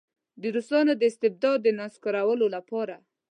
د روسانو د استبداد د نسکورولو لپاره.